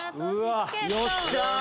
よっしゃ！